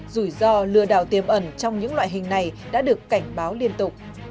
rủi ro lừa đảo tiềm ẩn trong những loại hình này đã được cảnh báo liên tục